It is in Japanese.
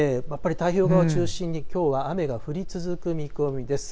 太平洋側を中心に、きょうは雨が降り続く見込みです。